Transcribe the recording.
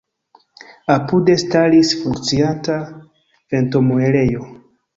Apude staris funkcianta ventomuelejo.